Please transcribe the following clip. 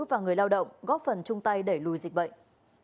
và người lao động góp phần chung tay đẩy lùi dịch bệnh